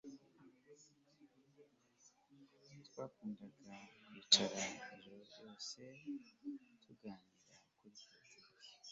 Twakundaga kwicara ijoro ryose tuganira kuri politiki